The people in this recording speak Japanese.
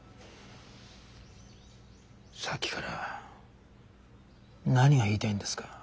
さっきから何が言いたいんですか？